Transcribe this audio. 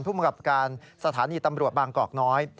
ผู้มีความละกับสถานีตำรวจบางกรกน้อย